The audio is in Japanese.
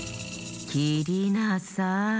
きりなさい。